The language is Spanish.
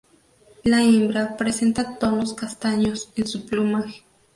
La hembra presenta tonos castaños en su plumaje.